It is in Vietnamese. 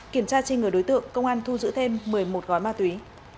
kiểm tra trên người đối tượng công an thu giữ thêm một mươi một gói ma túy